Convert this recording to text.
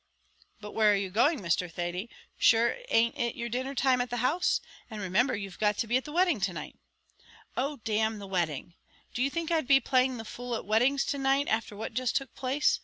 "But where are you going, Mr. Thady? shure an't it your dinner time at the house? and remimber you've to be at the wedding to night." "Oh! d n the wedding. Do you think I'd be playing the fool at weddings to night, afther what just took place?